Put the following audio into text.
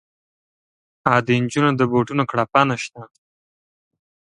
ها د نجونو د بوټونو کړپا نه شته